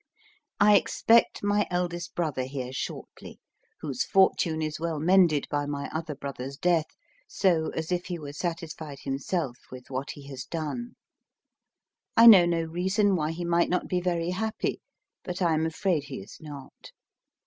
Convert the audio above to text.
I expect my eldest brother here shortly, whose fortune is well mended by my other brother's death, so as if he were satisfied himself with what he has done, I know no reason why he might not be very happy; but I am afraid he is not.